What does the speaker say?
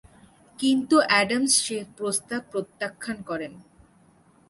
কিন্তু অ্যাডামস সে প্রস্তাব প্রত্যাখ্যান করেন।